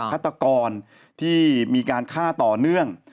ฆาตกรที่มีการฆ่าต่อเนื่อง